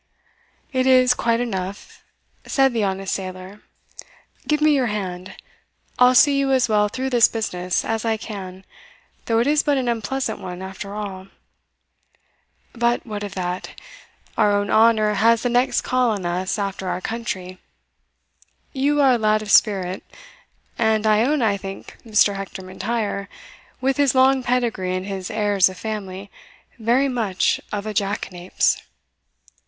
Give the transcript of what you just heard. "It is quite enough," said the honest sailor "give me your hand; I'll see you as well through this business as I can, though it is but an unpleasant one after all But what of that? our own honour has the next call on us after our country; you are a lad of spirit, and I own I think Mr. Hector M'Intyre, with his long pedigree and his airs of family, very much of a jackanapes.